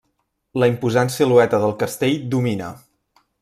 La imposant silueta del castell domina.